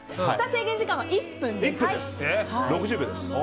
制限時間は１分です。